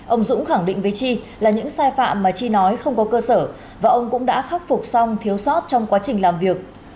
ông dũng khẳng định với chi là những sai phạm mà chi nói không có cơ sở và ông cũng đã khắc phục xong thiếu sót trong quá trình làm việc